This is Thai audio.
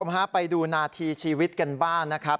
คุณผู้ชมฮะไปดูนาธิชีวิตกันบ้านนะครับ